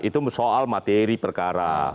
itu soal materi perkara